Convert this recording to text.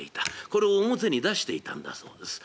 これを表に出していたんだそうです。